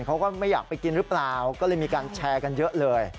เขาก็ไม่อยากไปกินหรือเปล่าก็เลยมีการแชร์กันเยอะเลย